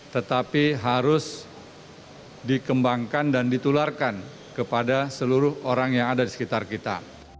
tetapi harus dikembangkan dan ditularkan kepada seluruh orang yang ada di sekitar kita